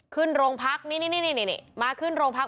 ขึ้นโรงพรรคนี่มาขึ้นโรงพรรค